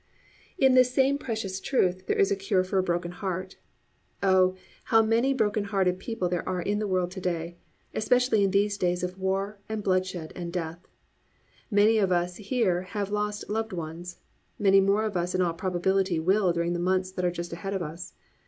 In this same precious truth there is a cure for a broken heart. Oh, how many broken hearted people there are in the world to day, especially in these days of war and bloodshed and death! Many of us here have lost loved ones. Many more of us in all probability will during the months that are just ahead of us.